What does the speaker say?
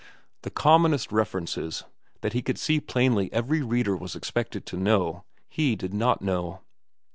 The commonest references, that he could see plainly every reader was expected to know, he did not know.